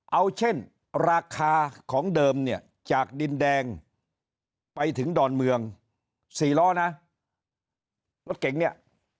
เอาเช่นราคาของเดิมเนี่ยจากดินแดงไปถึงดอนเมืองสี่ล้อนะรถเก่งเนี่ย